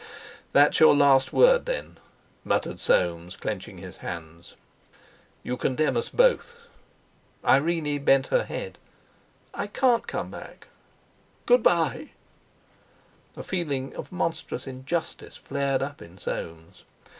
"That's your last word, then," muttered Soames, clenching his hands; "you condemn us both." Irene bent her head. "I can't come back. Good bye!" A feeling of monstrous injustice flared up in Soames.